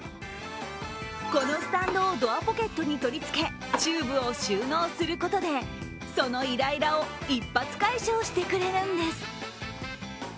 このスタンドをドアポケットに取り付け、チューブを収納することでそのイライラを一発解消してくれるんです。